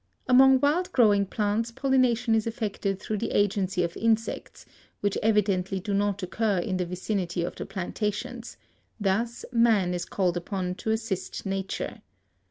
Among wild growing plants pollination is effected through the agency of insects, which evidently do not occur in the vicinity of the plantations; thus man is called upon to assist nature.